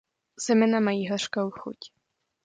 Semena mají hořkou chuť.